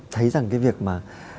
thấy rằng cái việc mà